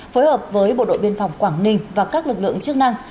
phối hợp với bộ đội biên phòng quảng ninh và các lực lượng chức năng